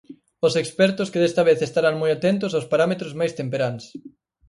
Os expertos que desta vez estarán moi atentos aos parámetros máis temperáns.